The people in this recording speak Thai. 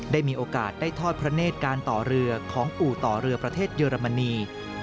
ได้มีโอกาสได้ทอดพระเนธการต่อเรือของปู่ต่อเรือประเทศเยอรมนี